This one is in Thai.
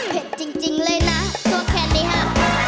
เผ็ดจริงเลยนะทั่วแขนนี่ฮะ